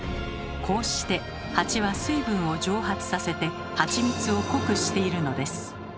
こうしてハチは水分を蒸発させてハチミツを濃くしているのです。